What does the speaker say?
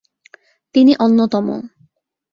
তিনি অন্যতম।